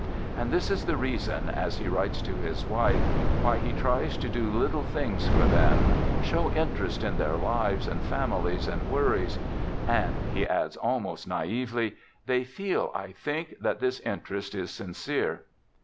And this is the reason, as he writes to his wife, why THE GOOD SOLDIER" 35 he tries to do little things for them, show interest in their lives and families and worries, " and," he adds almost naively, " they feel, I think, that this interest is sincere."